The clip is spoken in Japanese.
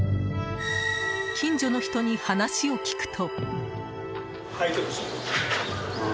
近所の人に話を聞くと。